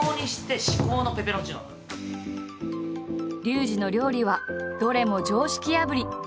リュウジの料理はどれも常識破り。